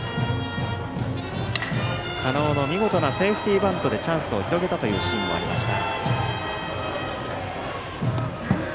狩野の見事なセーフティーバントでチャンスを広げたシーンもありました。